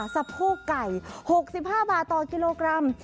สะโพกไก่๖๕บาทต่อกิโลกรัม